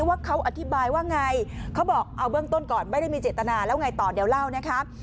ว่าเขาอธิบายว่าไงเขาบอกเอาเบื้องต้นก่อนไม่ได้มีเจตนาแล้วไงต่อเดี๋ยวเล่านะครับ